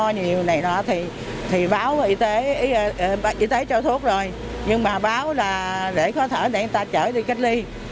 nhưng mà báo là rễ khó thở để người ta chở đi cách ly